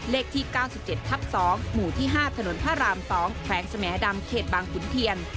เลขที่๙๗ทับ๒หมู่ที่๕ถนนพระราม๒แขวงสมดำเขตบางขุนเทียน